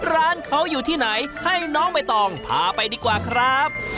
ร้านเขาอยู่ที่ไหนให้น้องใบตองพาไปดีกว่าครับ